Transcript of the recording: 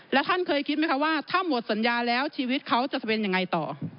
แล้วท่านเคยคิดไหมคะว่าถ้าหมดสัญญาแล้วชีวิตเขาจะเป็นยังไงต่อ